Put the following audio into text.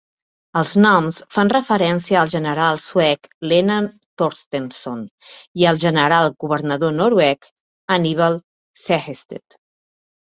Els noms fan referència al general suec Lennart Torstenson i al general governador noruec Hannibal Sehested.